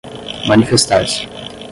manifestar-se